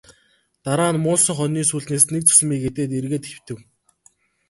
Дараа нь муулсан хонины сүүлнээс нэг зүсмийг идээд эргээд хэвтэв.